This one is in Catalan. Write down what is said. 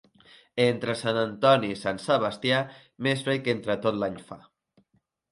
Entre Sant Antoni i Sant Sebastià, més fred que entre tot l'any fa.